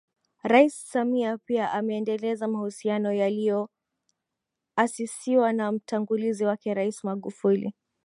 Rais Samia pia ameendeleza mahusiano yaliayoasisiwa na mtangulizi wake Rais Magufuli